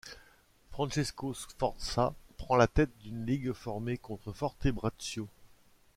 Francesco Sforza prend la tête d'une ligue formée contre Fortebraccio.